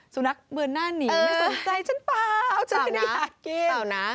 สุนัขเบือนหน้านีไม่สนใจฉันเปล่าเปล่านะเปล่านะ